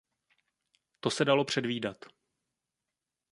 To se dalo předvídat.